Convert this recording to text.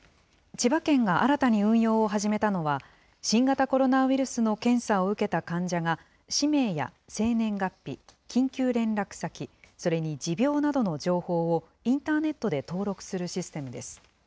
千葉県が新たに運用を始めたのは、新型コロナウイルスの検査を受けた患者が、氏名や生年月日、緊急連絡先、それに持病などの情報を、インターネットで登録するシステムです。